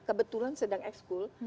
kebetulan sedang ekskul